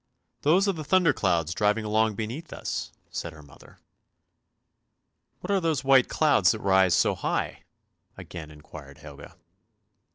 " Those are thunder clouds driving along beneath us," said her mother. " What are those white clouds that rise so high? " again enquired Helga.